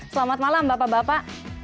selamat malam bapak bapak